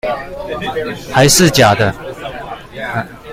還是假的